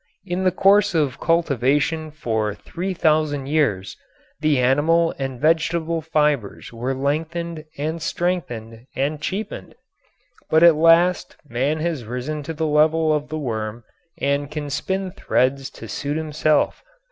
In the course of cultivation for three thousand years the animal and vegetable fibers were lengthened and strengthened and cheapened. But at last man has risen to the level of the worm and can spin threads to suit himself.